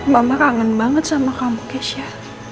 mama kangen banget sama kamu kesya